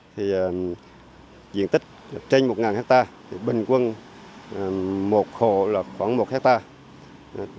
thì diện tích trên một hectare thì bình quân một hộ là khoảng một hectare